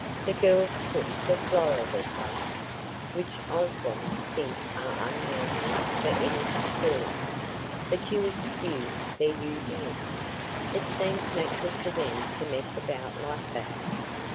The girls took the florivorous ones, which Oswald thinks are unmanly for any but girls, but you excuse their using it. It seems natural to them to mess about like that.